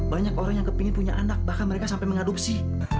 banyak orang yang kepingin punya anak bahkan mereka sampai mengadopsi